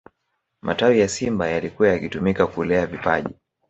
matawi ya simba yalikuwa yakitumika kulea vipaji